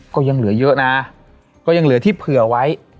ก็ยังเหลือเยอะนะก็ยังเหลือที่เผื่อไว้